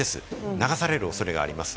流される恐れがあります。